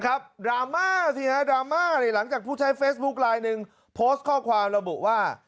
ดราม่าสิฮะดราม่าหลังจากผู้ใช้เฟซบุ๊คไลน์หนึ่งโพสต์ข้อความระบุว่า